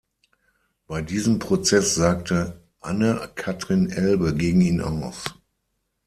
Bei diesem Prozess sagte Anne-Kathrin Elbe gegen ihn aus.